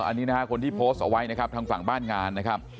อันนี้นะฮะคนที่โพสต์เอาไว้นะครับทางฝั่งบ้านงานนะครับ